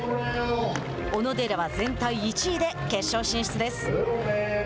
小野寺は全体１位で決勝進出です。